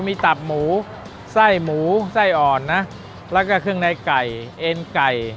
มีตับหมูไส้หมูไส้อ่อนนะแล้วก็เครื่องในไก่เอ็นไก่